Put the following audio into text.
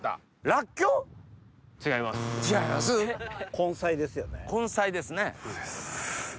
根菜ですよね？